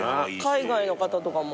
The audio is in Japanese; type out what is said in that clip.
海外の方とかも。